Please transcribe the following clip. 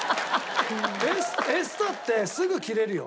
ＥＳＴＡってすぐ切れるよ。